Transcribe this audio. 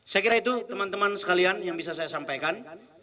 saya kira itu teman teman sekalian yang bisa saya sampaikan